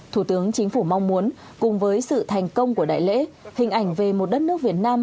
thủ tướng chính phủ mong muốn cùng với sự thành công của đại lễ hình ảnh về một đất nước việt nam